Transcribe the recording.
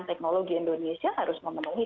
teknologi indonesia harus memenuhi